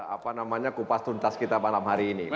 apa namanya kupas tuntas kita malam hari ini